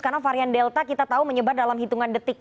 karena varian delta kita tahu menyebar dalam hitungan detik